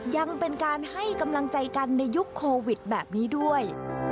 ยังเป็นการให้กำลังใจกันในยุคโควิดแบบนี้ด้วย